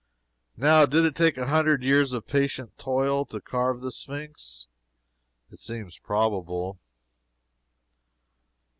Now did it take a hundred years of patient toil to carve the Sphynx? It seems probable.